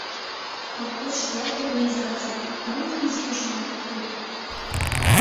— Колхоз шкеат организаций, мом тый изи йочала куктет.